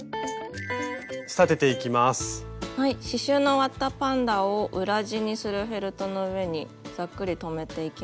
刺しゅうの終わったパンダを裏地にするフェルトの上にざっくり留めていきます。